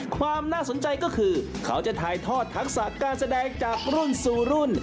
ความน่าสนใจก็คือเขาจะถ่ายทอดทักษะการแสดงจากรุ่นสู่รุ่น